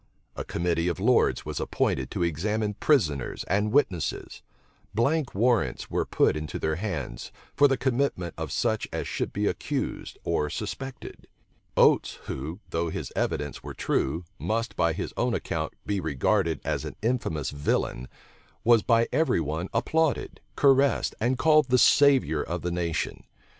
A committee of lords was appointed to examine prisoners and witnesses: blank warrants were put into their hands, for the commitment of such as should be accused or suspected. Oates, who, though his evidence were true, must, by his own account, be regarded as an infamous villain, was by every one applauded, caressed and called the savior of the nation.